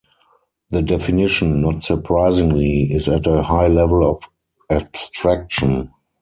The definition, not surprisingly, is at a high level of abstraction.